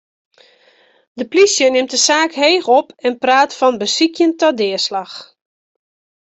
De polysje nimt de saak heech op en praat fan besykjen ta deaslach.